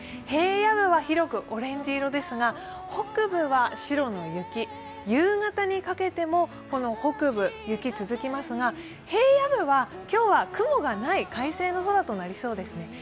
平野部は広くオレンジ色ですが北部は白の雪、夕方にかけても北部、雪が続きますが平野部は今日は雲がない快晴の空となりそうです。